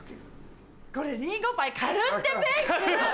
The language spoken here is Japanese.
これりんごパイカルッテベイク！